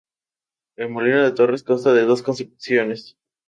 El molino de Torres consta de dos construcciones.